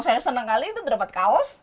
saya senang kali itu dapat kaos